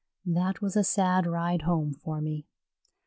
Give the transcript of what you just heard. That was a sad ride home for me.